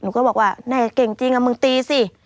หนูก็บอกว่านายเก่งจริงอ่ะมึงตีซิ